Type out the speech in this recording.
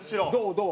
どう？